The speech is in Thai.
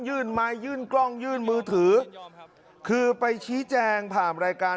คุณอยากรู้ว่าน้องกระถิ่งได้รับเปอร์เซ็นต์จากการส่งลิงให้เพื่อนบ้างไหมฮะ